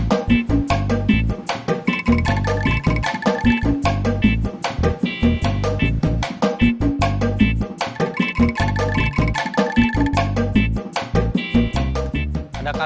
kalau apaan nih bapak ya